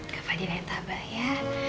kepada yang tabah ya